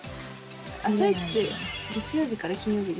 「あさイチ」って月曜日から金曜日でしたっけ？